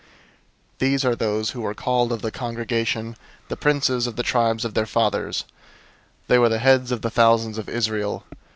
001:016 These are those who were called of the congregation, the princes of the tribes of their fathers; they were the heads of the thousands of Israel.